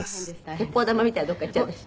「鉄砲玉みたいにどこか行っちゃうでしょ」